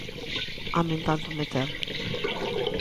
_A min tanto me ten.